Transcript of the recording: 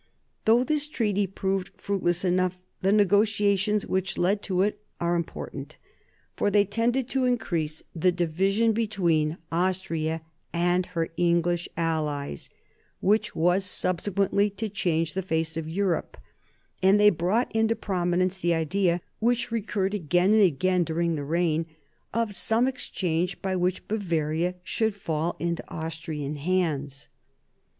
Though this treaty proved fruitless enough, the negotiations which led to it are important. For they tended to increase the division 32 MARIA THERESA chap, ii between Austria and her English allies, which was sub sequently to change the face of Europe; and they I brought into prominence the idea, which recurred again and again during the reign, of some exchange by which Bavaria should fall into Austrian hands.